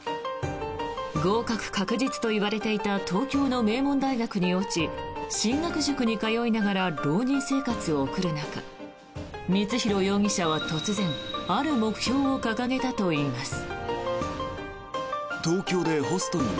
合格確実といわれていた東京の名門大学に落ち進学塾に通いながら浪人生活を送る中光弘容疑者は突然、ある目標を掲げたといいます。